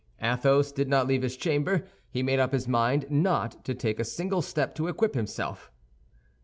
Athos did not leave his chamber; he made up his mind not to take a single step to equip himself.